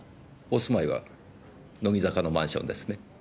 お住まいは乃木坂のマンションですね？